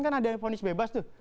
kan ada yang fonis bebas tuh